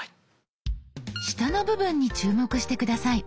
下の部分に注目して下さい。